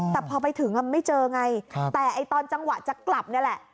แต่พอไปถึงแล้วไม่เจอไงครับแต่ไอ้ตอนจังหวะจะกลับนี่แหละ